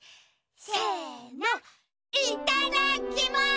せのいただきます！